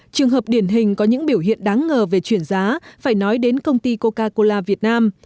trường hợp điển hình có những biểu hiện đáng ngờ về chuyển giá phải nói đến công ty coca cola việt nam